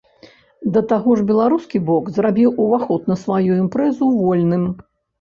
Да таго ж беларускі бок зрабіў ўваход на сваю імпрэзу вольным.